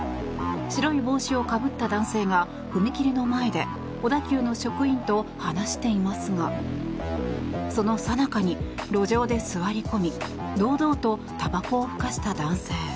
白い帽子をかぶった男性が踏切の前で小田急の職員と話していますがそのさなかに路上で座り込み堂々と、たばこをふかした男性。